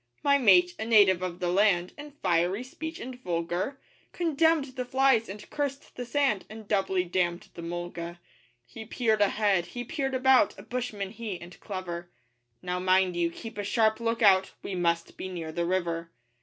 My mate a native of the land In fiery speech and vulgar, Condemned the flies and cursed the sand, And doubly damned the mulga. He peered ahead, he peered about A bushman he, and clever 'Now mind you keep a sharp look out; 'We must be near the river.